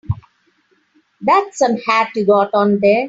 That's some hat you got on there.